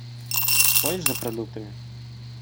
Сходишь за продуктами?